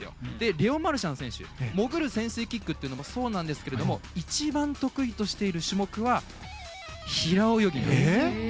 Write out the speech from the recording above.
レオン・マルシャン選手は潜水キックもそうなんですが一番得意としている種目は平泳ぎなんです。